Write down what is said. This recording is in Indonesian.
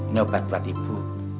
nopat buat ibu